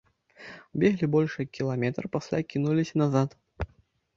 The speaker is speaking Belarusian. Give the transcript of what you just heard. Беглі больш як кіламетр, пасля кінуліся назад.